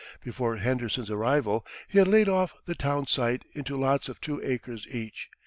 Before Henderson's arrival he had laid off the town site into lots of two acres each.